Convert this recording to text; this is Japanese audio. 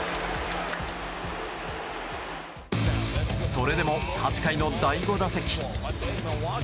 それでも８回の第５打席。